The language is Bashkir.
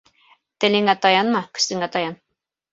Телеңә таянма, көсөңә таян